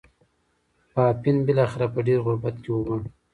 پاپین بلاخره په ډېر غربت کې ومړ.